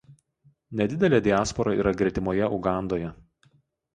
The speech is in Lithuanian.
Nedidelė diaspora yra gretimoje Ugandoje.